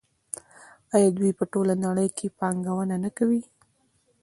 آیا دوی په ټوله نړۍ کې پانګونه نه کوي؟